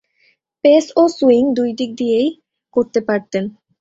Pace ও swing দুই দিক দিয়েই করতে পারতেন।